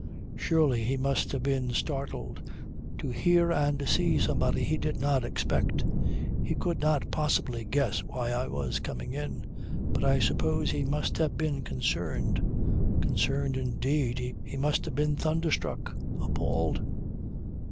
Surely he must have been startled to hear and see somebody he did not expect. He could not possibly guess why I was coming in, but I suppose he must have been concerned." Concerned indeed! He must have been thunderstruck, appalled.